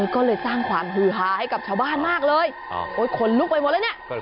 ก็เลยสร้างความฮือฮาให้กับชาวบ้านมากเลยโอ้ยขนลุกไปหมดแล้วเนี่ย